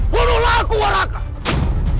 bookmarkikan operasimu